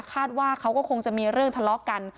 คาดว่าเขาก็คงจะมีเรื่องทะเลาะกัน